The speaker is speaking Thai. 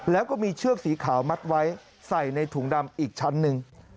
แล้วก็มีเชือกสีขาวมัดไว้ใส่ในถุงดำอีกชั้นหนึ่ง